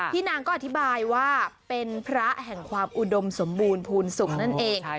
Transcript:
นางก็อธิบายว่าเป็นพระแห่งความอุดมสมบูรณ์ภูมิสุขนั่นเอง